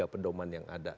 tiga pedoman yang ada